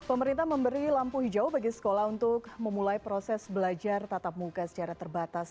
pemerintah memberi lampu hijau bagi sekolah untuk memulai proses belajar tatap muka secara terbatas